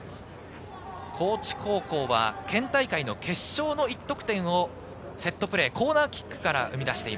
高知高校は県大会の決勝の１得点をセットプレー、コーナーキック